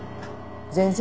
全然。